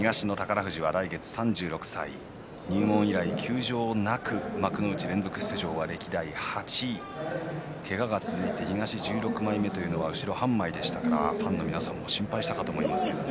富士は来月３６歳入門以来休場はなく幕内連続出場歴代８位けがが続いて東の１６枚目後ろ半枚ファンの皆さんも心配したと思います。